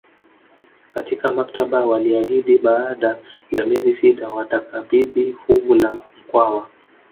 Katika mkataba waliahidi baada ya miezi sita watakabidhi fuvu la Mkwawa